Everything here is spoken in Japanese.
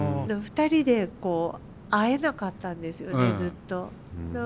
２人で会えなかったんですよねずっと。